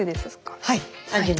はい。